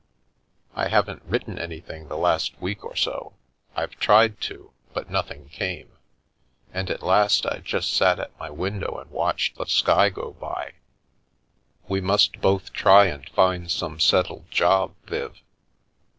" I haven't written anything the last week or so. I've tried to, but nothing came, and at last I just sat at my window and watched the sky go by. We must both try and find some settled job, Viv."